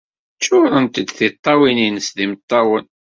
Ččuṛent-d tiṭṭawin-nnes d imeṭṭawen.